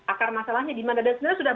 akar masalahnya dimana dan sebenarnya sudah